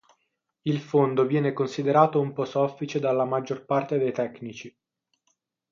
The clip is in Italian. Il fondo viene considerato un po' soffice dalla maggior parte dei tecnici.